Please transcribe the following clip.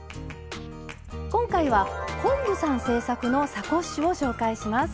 今回は昆布さん制作のサコッシュを紹介します。